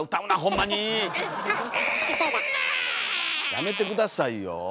やめて下さいよ。